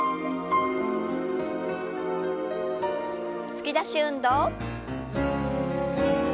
突き出し運動。